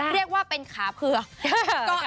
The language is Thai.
เรียกว่าเป็นขาเผือก